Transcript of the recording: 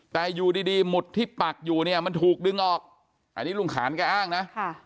แต่อยู่ดีดีหมุดที่ปักอยู่เนี่ยมันถูกดึงออกอันนี้ลุงขานแกอ้างนะ